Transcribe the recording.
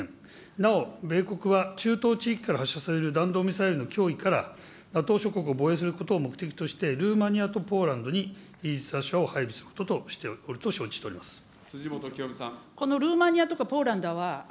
なお米国は中東地域から発射される弾道ミサイルの脅威から、島しょ国を防衛することを目的として、ルーマニアとポーランドにイージス・アショアを配備していると承辻元清美さん。